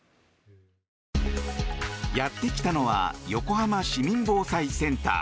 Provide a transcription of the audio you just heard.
やってきたのは横浜市民防災センター。